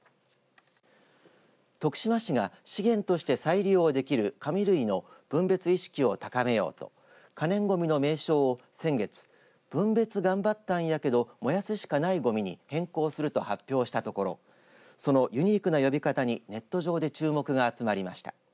徳島市が資源として再利用できる紙類の分別意識を高めようと可燃ごみの名称を先月、分別頑張ったんやけど燃やすしかないごみに変更すると発表したところそのユニークな呼び方にネット上で注目が集まりました。